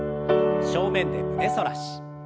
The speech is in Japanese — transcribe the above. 正面で胸反らし。